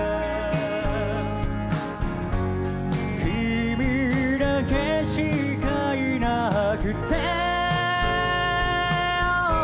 「君だけしかいなくて」